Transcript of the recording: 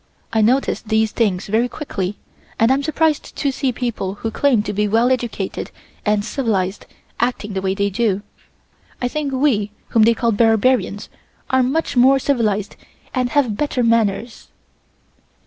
I notice these things very quickly and am surprised to see people who claim to be well educated and civilized acting the way they do. I think we whom they call barbarians are much more civilized and have better manners."